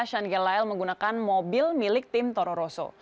sean gellile menggunakan mobil milik tim toro rosso